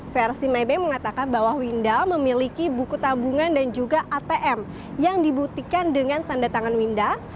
versi maybe mengatakan bahwa winda memiliki buku tabungan dan juga atm yang dibuktikan dengan tanda tangan winda